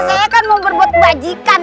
saya kan mau berbuat kebajikan